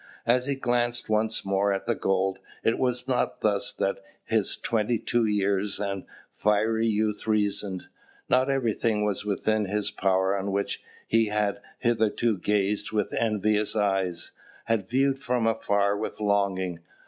As he glanced once more at the gold, it was not thus that his twenty two years and fiery youth reasoned. Now everything was within his power on which he had hitherto gazed with envious eyes, had viewed from afar with longing.